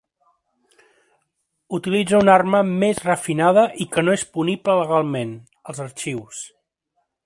Utilitza una arma més refinada i que no és punible legalment: els arxius.